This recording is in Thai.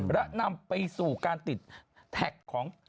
และนำไปสู่การติดแท็กของ